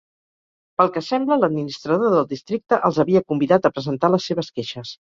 Pel que sembla, l'administrador del districte els havia convidat a presentar les seves queixes.